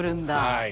はい。